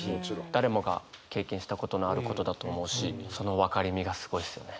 誰もが経験したことのあることだと思うしその分かれ目がすごいですよね。